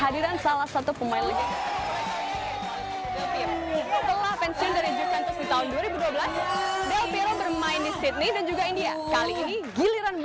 aduh aduh aduh